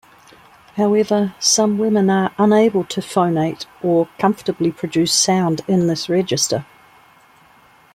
However, some women are unable to phonate or comfortably produce sound in this register.